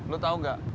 lo tau gak